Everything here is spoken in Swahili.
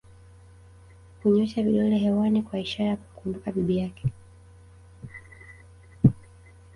kunyoosha vidole hewani kwa ishara ya kumkumbuka bibi yake